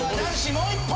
もう一本！